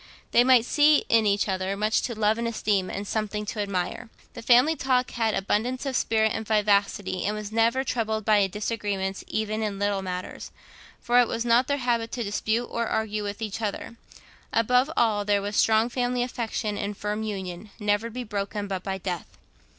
They might see in each other much to love and esteem, and something to admire. The family talk had abundance of spirit and vivacity, and was never troubled by disagreements even in little matters, for it was not their habit to dispute or argue with each other: above all, there was strong family affection and firm union, never to be broken but by death.